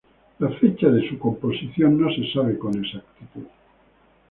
La fecha de su composición no se sabe con exactitud.